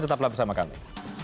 tetaplah bersama kami